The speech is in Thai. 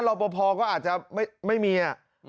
รอปภก็อาจจะไม่มี